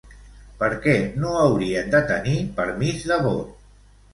Per què no haurien de tenir permís de vot?